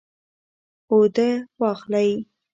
اوده واخلئ